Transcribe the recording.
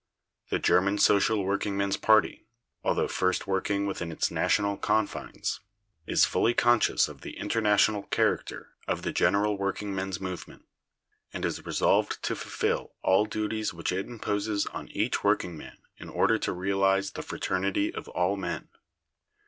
The German Social Workingmen's party, although first working within its national confines, is fully conscious of the international character of the general workingmen's movement, and is resolved to fulfill all duties which it imposes on each workingman in order to realize the fraternity of all men.